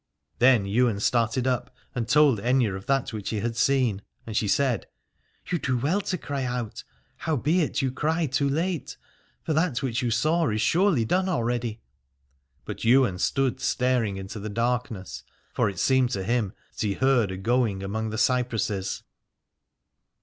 Then Ywain started up, and told Aithne of that which he had seen : and she said : You do well to cry out, howbeit you cry too late, for that which you saw is surely done already. But Ywain stood staring into the darkness, for it seemed to him that he heard a going among the cypresses.